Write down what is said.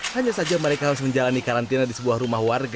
hanya saja mereka harus menjalani karantina di sebuah rumah warga